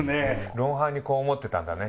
『ロンハー』にこう思ってたんだね。